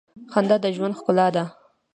• خندا د ژوند ښکلا ده.